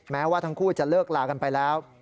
แม้ว่าทั้งคู่จะเลิกลากันไปแล้ว